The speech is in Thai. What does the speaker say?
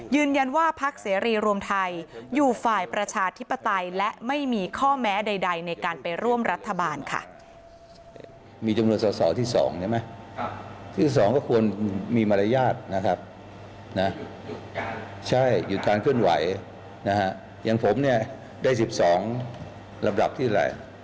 ยืนยันว่าพักเสรีรวมไทยอยู่ฝ่ายประชาธิปไตยและไม่มีข้อแม้ใดในการไปร่วมรัฐบาลค่ะ